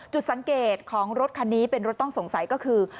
จุดสังเกตของรถคันนี้เป็นรถต้องสงสัยก็คือ